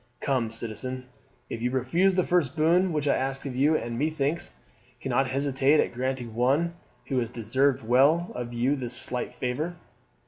Come, citizen, you refused the first boon which I asked you, and, methinks, cannot hesitate at granting one who has deserved well of you this slight favour."